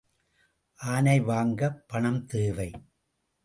ஆனை வாங்கப் பணம்தேவை.